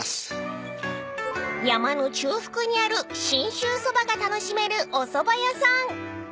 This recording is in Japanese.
［山の中腹にある信州そばが楽しめるおそば屋さん］